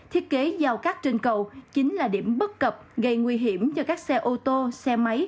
thiết kế giao cắt trên cầu chính là điểm bất cập gây nguy hiểm cho các xe ô tô xe máy